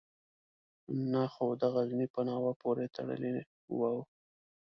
نه خو د غزني په ناوه پورې تړلی وو.